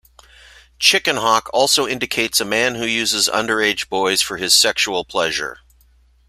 "Chickenhawk" also indicates a man who uses underage boys for his sexual pleasure.